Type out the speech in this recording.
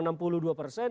kemudian tidak mampu